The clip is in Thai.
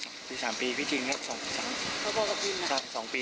สองปีสามปีพี่จริงนะสองปี